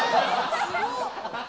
すごっ。